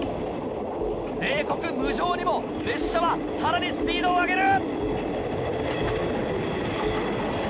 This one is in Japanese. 冷酷無情にも列車はさらにスピードを上げる！